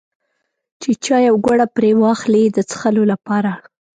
چې چای او ګوړه پرې واخلي د څښلو لپاره.